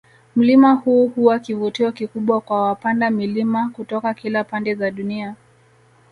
Mlima huu huwa kivutio kikubwa kwa wapanda milima kutoka kila pande za dunia